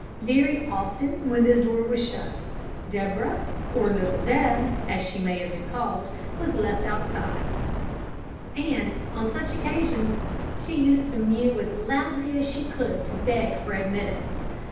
Very often when this door was shut, Deborah, or little Deb, as she may have been called, was left outside; and on such occasions she used to mew as loudly as she could to beg for admittance.